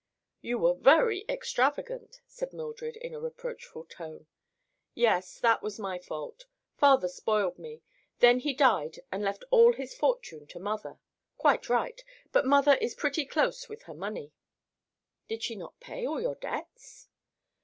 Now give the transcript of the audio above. "You were very extravagant," said Mildred in a reproachful tone. "Yes; that was my fault. Father spoiled me; then he died and left all his fortune to mother. Quite right. But mother is pretty close with her money." "Did she not pay all your debts?"